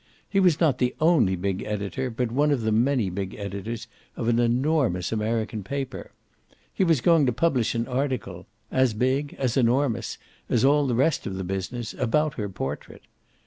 He was not the only big editor, but one of the many big editors, of an enormous American paper. He was going to publish an article as big, as enormous, as all the rest of the business about her portrait.